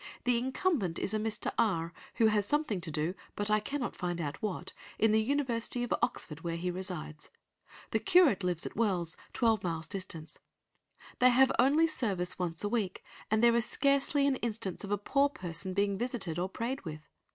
The incumbent is a Mr. R., who has something to do, but I cannot find out what, in the University of Oxford, where he resides. The curate lives at Wells, twelve miles distant. They have only service once a week, and there is scarcely an instance of a poor person being visited or prayed with.